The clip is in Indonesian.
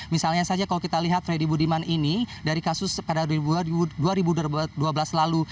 misalnya saja kalau kita lihat freddy budiman ini dari kasus pada dua ribu dua belas lalu